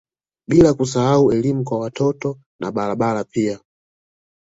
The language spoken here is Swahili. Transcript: Bila kusahau elimu kwa watoto na barabara pia